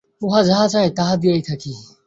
উহা যাহা চায়, তাহাই দিয়া থাকি।